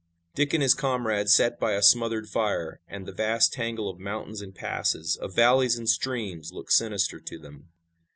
Dick and his comrades sat by a smothered fire, and the vast tangle of mountains and passes, of valleys and streams looked sinister to them.